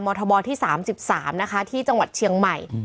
มธที่๓๓ที่จังหวัดเฉียงไหม